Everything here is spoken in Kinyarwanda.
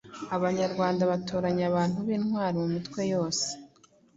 Abanyarwanda batoranya abantu b’intwari mu mitwe yose